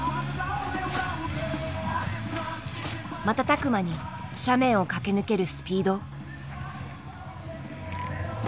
瞬く間に斜面を駆け抜けるスピード。